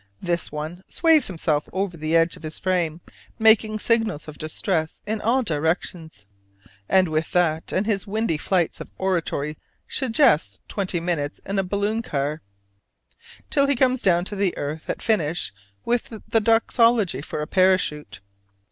This one sways himself over the edge of his frame, making signals of distress in all directions, and with that and his windy flights of oratory suggests twenty minutes in a balloon car, till he comes down to earth at the finish with the Doxology for a parachute.